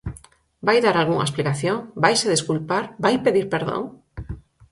¿Vai dar algunha explicación?, ¿vaise desculpar?, ¿vai pedir perdón?